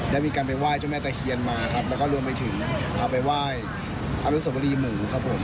ได้มีการไปไหว้เจ้าแม่ตะเคียนมาครับแล้วก็รวมไปถึงเอาไปไหว้อนุสวรีหมูครับผม